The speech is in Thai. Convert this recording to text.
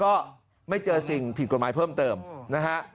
ก็ไม่เจอสิ่งผิดกฎหมายเพิ่มเติมนะฮะ